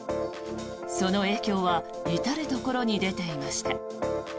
その影響は至るところに出ていました。